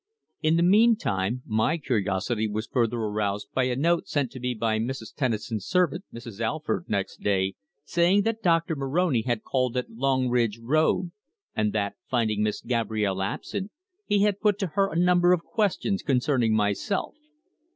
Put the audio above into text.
In the meantime my curiosity was further aroused by a note sent to me by Mrs. Tennison's servant, Mrs. Alford, next day, saying that Doctor Moroni had called at Longridge Road and that, finding Miss Gabrielle absent, he had put to her a number of questions concerning myself.